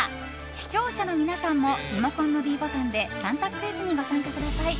視聴者の皆さんもリモコンのｄボタンで３択クイズにご参加ください。